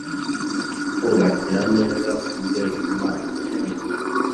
kubakira neza kubyo imana yaremye.